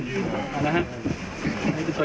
นี่คือตัวอย่างนะครับ